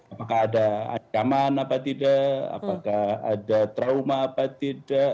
apakah ada ancaman apa tidak apakah ada trauma apa tidak